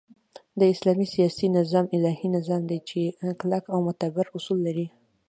د اسلام سیاسی نظام الهی نظام دی چی کلک او معتبر اصول لری